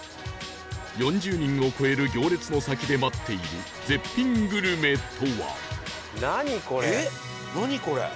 ４０人を超える行列の先で待っている絶品グルメとは？